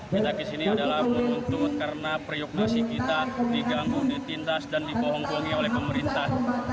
kita kesini adalah menuntut karena priok nasi kita diganggu ditindas dan dibohong bohongi oleh pemerintah